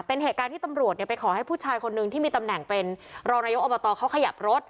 เป็นเหตุการณ์ที่ตำรวจไปขอให้ผู้ชายคนนึงที่มีตำแหน่งเป็นรองนายกอบตเขาขยับรถ